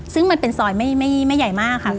ซึ่งมันเป็นซอยไม่ใหญ่มากค่ะ